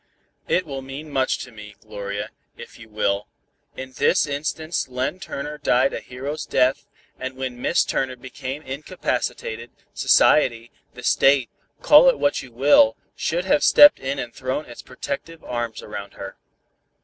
"It will mean much to me, Gloria, if you will. In this instance Len Turner died a hero's death, and when Mrs. Turner became incapacitated, society, the state, call it what you will, should have stepped in and thrown its protecting arms around her.